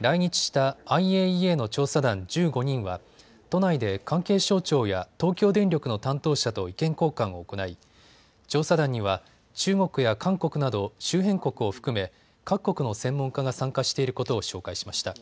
来日したＩＡＥＡの調査団１５人は都内で関係省庁や東京電力の担当者と意見交換を行い調査団には中国や韓国など周辺国を含め各国の専門家が参加していることを紹介しました。